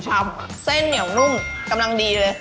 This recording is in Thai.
เส้นเหนียวนุ่มกำลังดีเลย